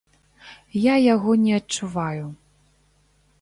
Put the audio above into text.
Я яго не адчуваю.